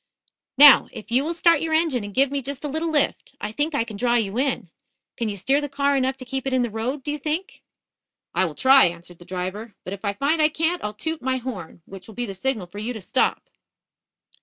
"Now, if you will start your engine and give me just a little lift, I think I can draw you in. Can you steer the car enough to keep it in the road, do you think?" "I will try," answered the driver. "But if I find I can't, I'll toot my horn, which will be the signal for you to stop."